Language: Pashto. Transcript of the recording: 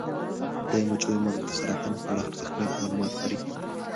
د مچیو مغز د سرطان په اړه ارزښتناک معلومات لري.